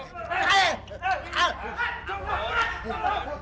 hei jangan gerak